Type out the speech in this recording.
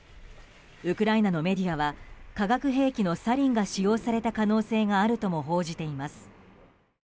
ウクライナのメディアは化学兵器のサリンが使用された可能性があるとも報じています。